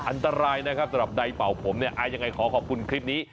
อันตรายนะครับสำหรับใดเป่าผมเนี่ยยังไงขอขอบคุณคลิปนี้